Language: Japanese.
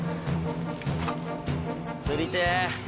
釣りてぇ。